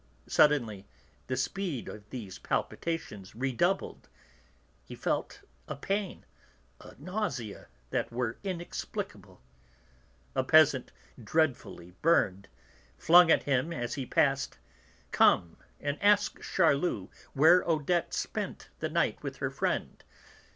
Suddenly the speed of these palpitations redoubled, he felt a pain, a nausea that were inexplicable; a peasant, dreadfully burned, flung at him as he passed: "Come and ask Charlus where Odette spent the night with her friend.